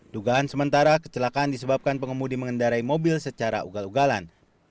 dugaan sementara kecelakaan disebabkan pengemudi mengendarai mobil secara ugal ugalan